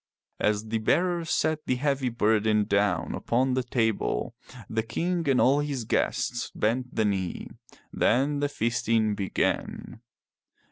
As the bearer set the heavy burden down upon the table, the King and all his guests bent the knee. Then the feasting began.